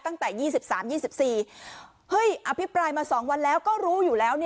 ตั้งแต่๒๓๒๔อภิปรายมา๒วันแล้วก็รู้อยู่แล้ว